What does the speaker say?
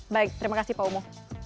baik terima kasih pak umuh